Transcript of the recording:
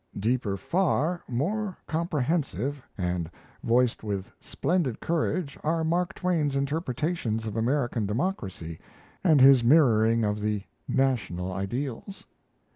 Deeper far, more comprehensive, and voiced with splendid courage, are Mark Twain's interpretations of American democracy and his mirroring of the national ideals.